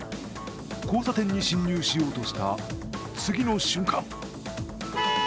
交差点に進入しようとした次の瞬間